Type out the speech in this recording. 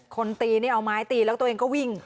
คนตีนี่เอาไม้ตีแล้วตัวเองก็วิ่ง